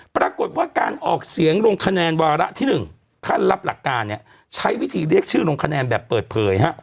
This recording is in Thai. ปรากฏว่าการออกเสียงลงคะแนนวาระที่๑ท่านรับหลักการเนี่ยใช้วิธีเรียกชื่อลงคะแนนแบบเปิดเผยฮะ